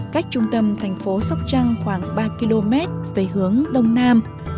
cách trung tâm thành phố sóc trăng khoảng ba km về hướng đông nam